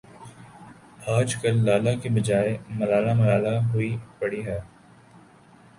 آجکل لالہ کے بجائے ملالہ ملالہ ہوئی پھری ہے ۔